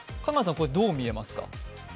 これ、どう見えますか？